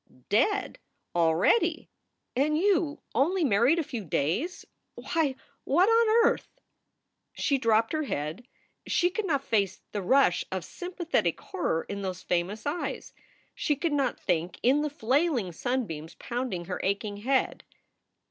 "Dead, already! and you only married a few days! Why, what on earth " She dropped her head. She could not face the rush of sympathetic horror in those famous eyes. She could not think in the nailing sunbeams pounding her aching head.